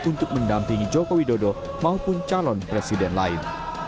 untuk mendampingi joko widodo maupun calon presiden lain